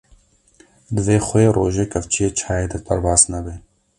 divê xwê rojê kevçiyê çay derbas nebe